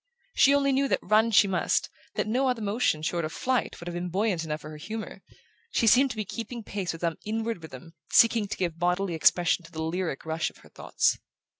She only knew that run she must, that no other motion, short of flight, would have been buoyant enough for her humour. She seemed to be keeping pace with some inward rhythm, seeking to give bodily expression to the lyric rush of her thoughts.